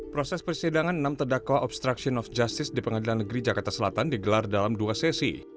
proses persidangan enam terdakwa obstruction of justice di pengadilan negeri jakarta selatan digelar dalam dua sesi